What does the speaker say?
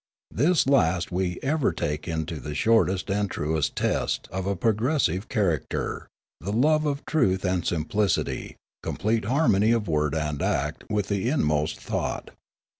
This last we ever take to be the shortest and truest test of a progressive charac ter, the love of truth and simplicity, complete harmony of word and act with the inmost thought.